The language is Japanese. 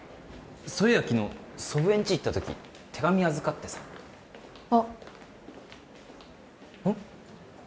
そういや昨日祖父江んち行ったとき手紙預かってさあっうん？